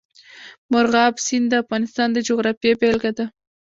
مورغاب سیند د افغانستان د جغرافیې بېلګه ده.